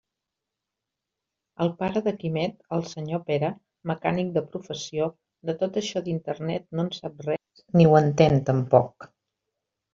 El pare de Quimet, el senyor Pere, mecànic de professió, de tot això d'Internet no en sap res, ni ho entén tampoc.